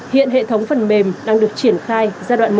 hiện hệ thống phần mềm đang được triển khai giai đoạn một